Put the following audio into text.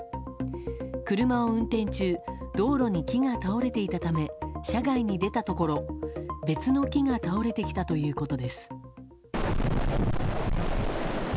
車を運転中、道路に木が倒れていたため車外に出たところ別の木が倒れてきたということです。